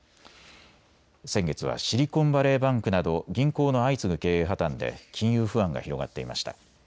先月はシリコンバレーバンクなど銀行の相次ぐ経営破綻で金融不安が広がっていました。